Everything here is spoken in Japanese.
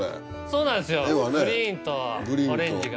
そうなんですよグリーンとオレンジが。